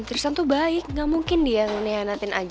tristan tuh baik nggak mungkin dia menyenatin aja